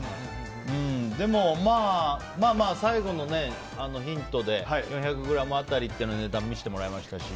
でも最後のヒントで４００ｇ当たりの値段を見せてもらいましたし。